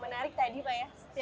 kota dan kesempatan